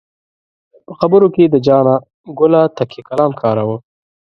په خبرو کې یې د جانه ګله تکیه کلام کاراوه.